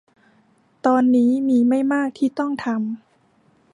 ตอนนี้มีไม่มากที่ต้องทำ